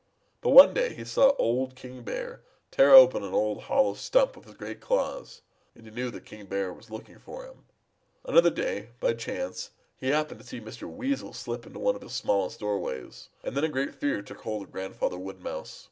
But one day he saw old King Bear tear open an old hollow stump with his great claws, and he knew that King Bear was looking for him. Another day quite by chance he happened to see Mr. Weasel slip into one of his smallest doorways, and then a great fear took hold of Grandfather Wood Mouse.